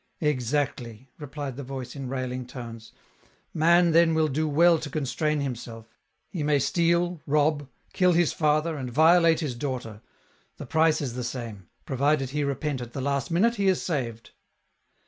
" Exactly," replied the voice in railing tones. " Man then will do well to constrain himself ; he may steal, rob, kill his father, and violate his daughter ; the price is the same ; provided he repent at the last minute, he is saved